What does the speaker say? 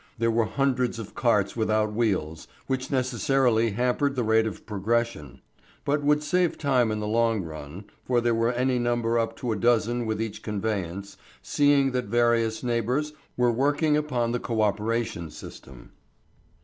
There were hundreds of carts without wheels, which necessarily hampered the rate of progression, but would save time in the long run, for there were any number up to a dozen with each conveyance, seeing that various neighbours were working upon the co operation system.